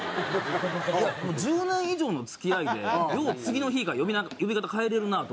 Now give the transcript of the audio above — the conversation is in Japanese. いやもう１０年以上の付き合いでよう次の日から呼び方変えられるなと思って。